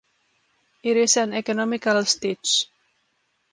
It is an economical stitch.